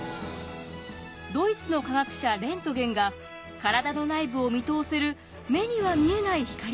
ドイツの科学者レントゲンが体の内部を見通せる目には見えない光Ｘ線を発見したのです。